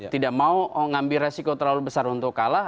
tidak mau ngambil resiko terlalu besar untuk kalah